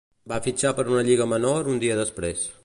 Va fitxar per una altra lliga menor un dia després.